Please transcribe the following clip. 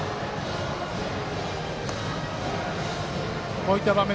こういった場面